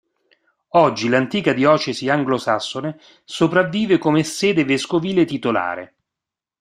Oggi l'antica diocesi anglosassone sopravvive come sede vescovile titolare.